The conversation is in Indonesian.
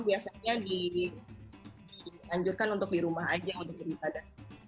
biasanya dianjurkan untuk di rumah aja untuk beribadah